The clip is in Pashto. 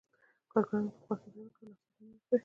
کارګرانو په خوښۍ پیل وکړ او نڅاګانې یې وکړې